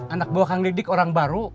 anak buah kang dik dik orang baru